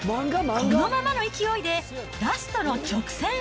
このままの勢いで、ラストの直線へ。